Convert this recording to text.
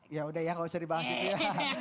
ya udah ya gak usah dibahas itu ya